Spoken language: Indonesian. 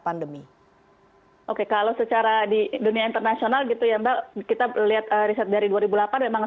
pandemi oke kalau secara di dunia internasional gitu ya mbak kita lihat riset dari dua ribu delapan memang